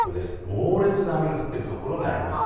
猛烈な雨が降っている所があります。